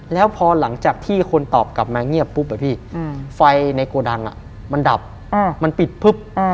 แล้วพอหลังจากที่คนตอบกลับมาเงียบปุ๊บอะพี่ไฟในโกดังมันดับมันปิดปุ๊บ